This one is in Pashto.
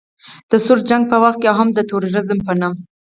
د سوړ جنګ په وخت کې او هم د تروریزم په نوم